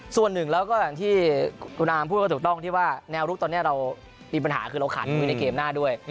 ส่วนหนึ่งแล้วก็อย่างที่คุณอามพูดก็ถูกต้องที่ว่าแนวลุกตอนนี้เรามีปัญหาคือเราขาดคุยในเกมหน้าด้วย